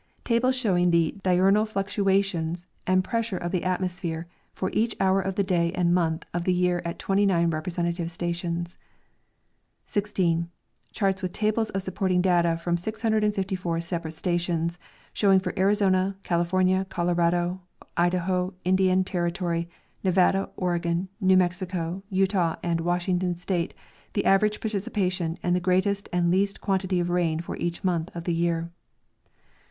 Tables showing the diurnal fluctuations and pressure of the atmosphere for each hour of the day and month of the year at 29 representative stations. 16. Charts Avith tables of supporting data from 654 separate ■ stations, showing for Arizona. California, Colorado, Idaho, Indian Territor}^, Nevada, Oregon, New Mexico, Utah and Washington state the average precipitation and the greatest and least quan tity of rain for each month of the year.